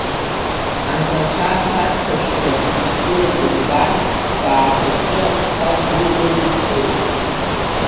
Анхацәа рԥацхажәқәа зықәгылаз ргәарԥ ҭбаақәа рҿы аҽқәа зумырҩхози.